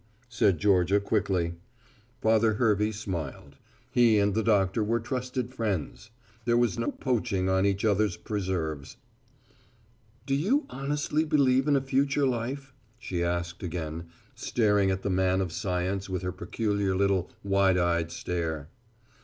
said Georgia quickly. Father Hervey smiled. He and the doctor were trusted friends. There was no poaching on each other's preserves. "Do you honestly believe in a future life?" she asked again, staring at the man of science with her peculiar little wide eyed stare.